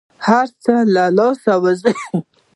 هر څه له لاسه ووزي.